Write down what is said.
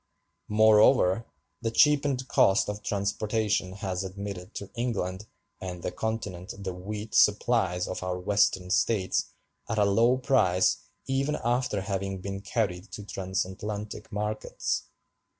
Moreover, the cheapened cost of transportation has admitted to England and the Continent the wheat supplies of our Western States at a low price even after having been carried to transatlantic markets.